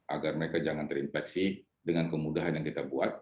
agar mereka jangan terinfeksi dengan kemudahan yang kita buat